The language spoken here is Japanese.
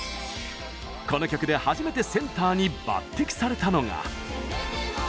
この曲で初めてセンターに抜てきされたのが。